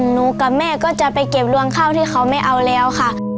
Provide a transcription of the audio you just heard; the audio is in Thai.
หนูกับแม่ก็จะไปเก็บรวงข้าวที่เขาไม่เอาแล้วค่ะ